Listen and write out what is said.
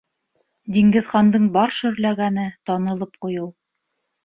Диңгеҙхандың бар шөрләгәне - танылып ҡуйыу.